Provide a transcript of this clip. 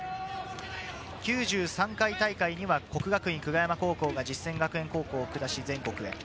９３回大会には國學院久我山高校が実践学園高校を下し全国へ。